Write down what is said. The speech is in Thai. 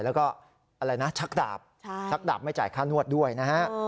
แล้วก็อะไรนะชักดาบชักดาบไม่จ่ายค่านวดด้วยนะฮะ